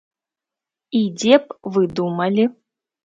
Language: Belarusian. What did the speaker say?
І дзе б вы думалі?